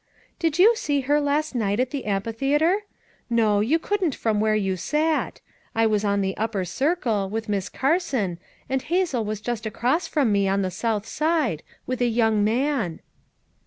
"Did you see her last night at the am phitheater? No, you couldn't from where you sat; I was on the upper circle, with Miss Car son, and Hazel was just across from me on the South side, with a young man."